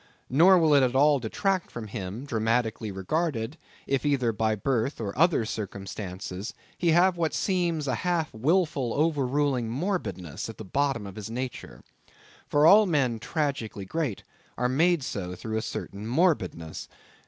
Nor will it at all detract from him, dramatically regarded, if either by birth or other circumstances, he have what seems a half wilful overruling morbidness at the bottom of his nature. For all men tragically great are made so through a certain morbidness.